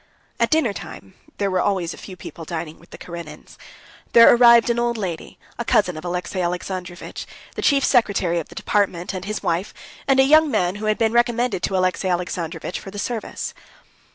At dinner time (there were always a few people dining with the Karenins) there arrived an old lady, a cousin of Alexey Alexandrovitch, the chief secretary of the department and his wife, and a young man who had been recommended to Alexey Alexandrovitch for the service.